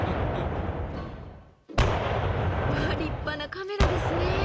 うわ立派なカメラですね。